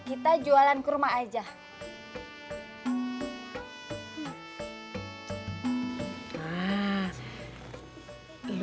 minta susan gat